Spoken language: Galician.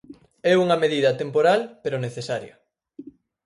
É unha medida temporal pero necesaria.